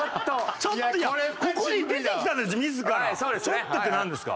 「ちょっと」ってなんですか。